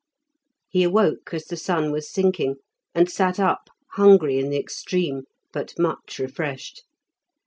He awoke as the sun was sinking and sat up, hungry in the extreme, but much refreshed.